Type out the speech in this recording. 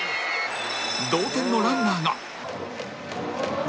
同点のランナーが